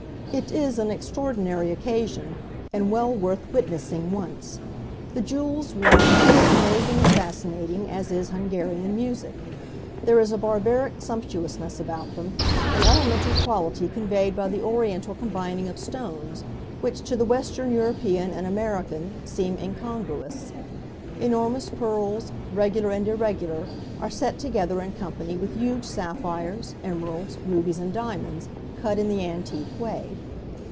It is an extraordinary occasion, and well worth witnessing once. The jewels worn are as amazing and fascinating as is Hungarian music. There is a barbaric sumptuousness about them, an elemental quality conveyed by the Oriental combining of stones, which to the western European and American, seem incongruous. Enormous pearls, regular and irregular, are set together in company with huge sapphires, emeralds, rubies and diamonds, cut in the antique way.